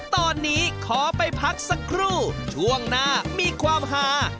ตอนนี้ขอไปพักสักครู่ช่วงหน้ามีความหา